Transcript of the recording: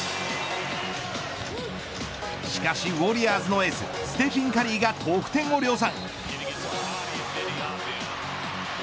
しかしウォリアーズのエースステフィン・カリーが得点を量産。